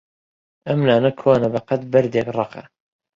ئەم نانە کۆنە بەقەد بەردێک ڕەقە.